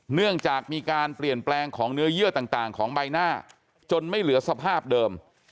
เนื่องจากมีการเปลี่ยนแปลงของเนื้อเยื่อต่างของใบหน้าจนไม่เหลือสภาพเดิม